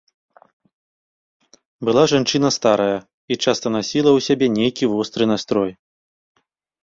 Была жанчына старая і часта насіла ў сабе нейкі востры настрой.